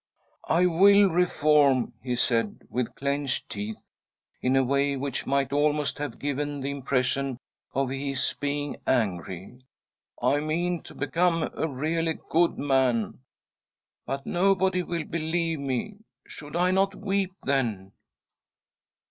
"I will reform," he said with clenched teeth, in • a way which might almost have given the impression of his being angry. "I mean to become a really good man. But nobody will believe me. Should I not weep then